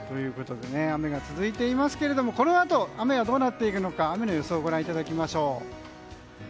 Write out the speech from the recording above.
雨が続いていますがこのあと、雨はどうなっていくか雨の予想をご覧いただきましょう。